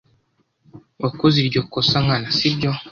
Wakoze iryo kosa nkana, sibyo?